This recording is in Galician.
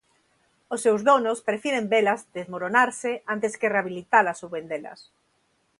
Os seus donos prefiren velas desmoronarse antes que rehabilitalas ou vendelas.